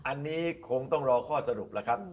อันนี้คงต้องรอข้อสรุปแล้วครับ